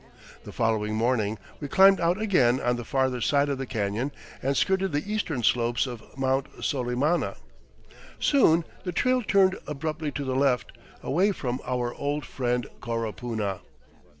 The following morning we climbed out again on the farther side of the canyon and skirted the eastern slopes of Mt. Solimana. Soon the trail turned abruptly to the left, away from our old friend Coropuna.